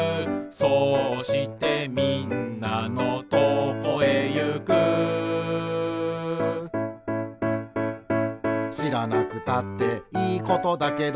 「そうしてみんなのとこへゆく」「しらなくたっていいことだけど」